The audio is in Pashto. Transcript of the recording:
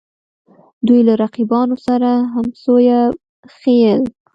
دوی له رقیبانو سره همسویه ښييل